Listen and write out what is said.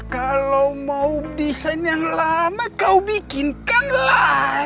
kalau mau desain yang lama kau bikinkanlah